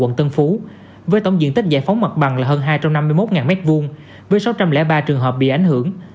quận tân phú với tổng diện tích giải phóng mặt bằng là hơn hai trăm năm mươi một m hai với sáu trăm linh ba trường hợp bị ảnh hưởng